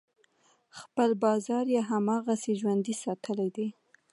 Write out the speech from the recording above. خپل بازار یې هماغسې ژوندی ساتلی دی.